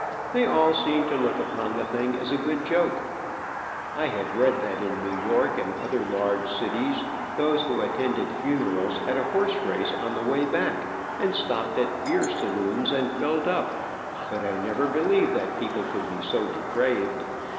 They all seemed to look upon the thing as a good joke. I had read that in New York and other large cities, those who attended funerals had a horse race on the way back, and stopped at beer saloons and filled up, but I never believed that people could be so depraved.